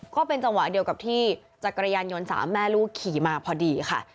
ก็เป็นจังหวะเดียวกับที่จักรยานยนต์สามแม่ลูกขี่มาพอดีค่ะ